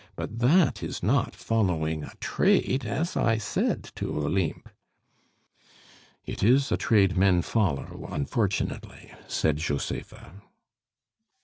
'But that is not following a trade,' as I said to Olympe." "It is a trade men follow, unfortunately," said Josepha.